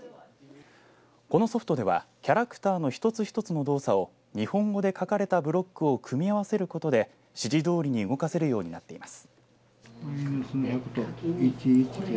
このソフトではキャラクターの一つ一つの動作を日本語で書かれたブロックを組み合わせることで指示どおりに動かせるようになっています。